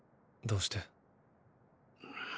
どうして？。